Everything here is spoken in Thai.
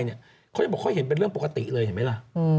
เขายังบอกเขาเห็นเป็นเรื่องปกติเลยเห็นไหมล่ะ